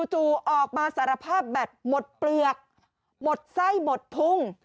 จู่ออกมาสารภาพแบตหมดเปลือกหมดไส้หมดพุง